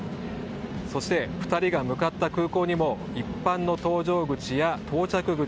そして、２人が向かった空港にも一般の搭乗口や到着口